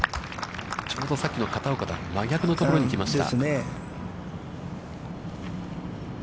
ちょうどさっきの片岡とは真逆のところに来ました。